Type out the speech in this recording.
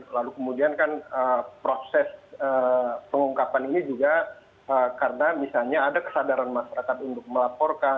lalu kemudian kan proses pengungkapan ini juga karena misalnya ada kesadaran masyarakat untuk melaporkan